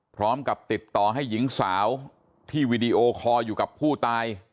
พร้อมกับติดต่อให้หญิงสาวที่วีดีโอคอร์อยู่กับผู้ตาย